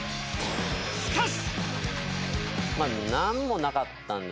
しかし。